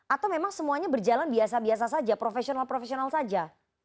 atau memang semuanya berjalan biasa biasa saja profesional profesional saja